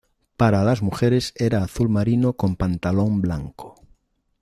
Para las mujeres era azul marino con pantalón blanco.